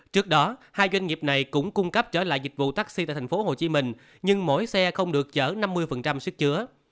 trước đó hai doanh nghiệp này cũng cung cấp trở lại dịch vụ taxi tại thành phố hồ chí minh nhưng mỗi xe không được chở năm mươi sức chứa